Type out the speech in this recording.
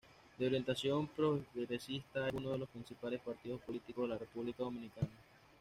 De orientación progresista, es uno de los principales partidos políticos de la República Dominicana.